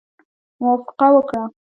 موافقه وکړه.